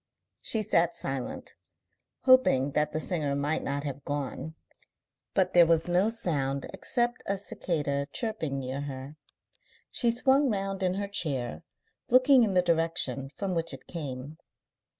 She sat silent, hoping that the singer might not have gone, but there was no sound except a cicada chirping near her. She swung round in her chair, looking in the direction from which it came.